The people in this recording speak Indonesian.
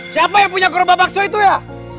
siapa yang punya gerobak bakso itu ya